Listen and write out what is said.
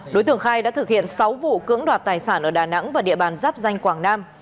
đối tượng khai đã thực hiện sáu vụ cưỡng đoạt tài sản ở đà nẵng và địa bàn giáp danh quảng nam